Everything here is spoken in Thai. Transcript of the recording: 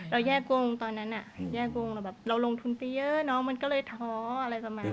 เราแยกกงตอนนั้นแย่กงเราแบบเราลงทุนไปเยอะน้องมันก็เลยท้ออะไรประมาณนี้